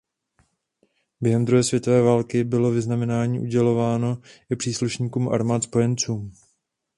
Během druhé světové války bylo vyznamenání udělováno i příslušníkům armád spojenců.